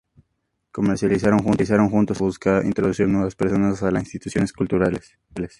Comercializados juntos, el evento busca introducir nuevas personas a las instituciones culturales.